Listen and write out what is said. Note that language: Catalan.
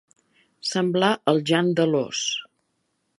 Semblar el Jan de l'Ós.